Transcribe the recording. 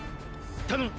頼む！